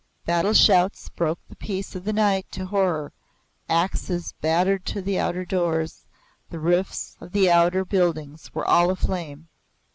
Battle shouts broke the peace of the night to horror; axes battered on the outer doors; the roofs of the outer buildings were all aflame.